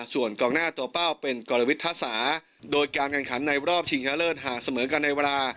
ส่วนกองหน้าตัวเป้าเป็นกรวิทยาศาสตร์โดยการแข่งขันในรอบชิงชนะเลิศหากเสมอกันในเวลา